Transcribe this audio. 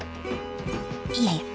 いやいや！